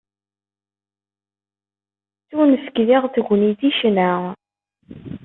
Tettunefk diɣ tegnit i ccna.